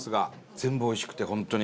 全部おいしくて本当に。